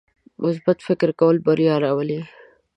مثبت فکر کول بریا راولي.